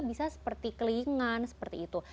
bisa seperti kelingan seperti itu